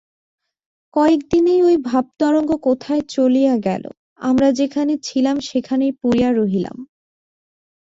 কয়েকদিনেই ঐ ভাবতরঙ্গ কোথায় চলিয়া গেল! আমরা যেখানে ছিলাম সেখানেই পড়িয়া রহিলাম।